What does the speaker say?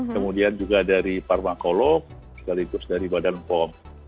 kemudian juga dari parmakolog sekaligus dari badan pom